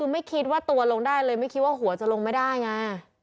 ไม่คิดว่าตัวลงได้เลยไม่คิดว่าหัวจะลงไม่ได้ไง